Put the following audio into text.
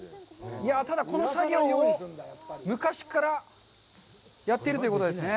ただ、この作業を昔からやってるということですね。